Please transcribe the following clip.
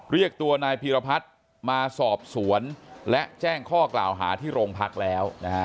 เรียกตัวนายพีรพัฒน์มาสอบสวนและแจ้งข้อกล่าวหาที่โรงพักแล้วนะฮะ